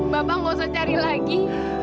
bapak nggak usah cari lagi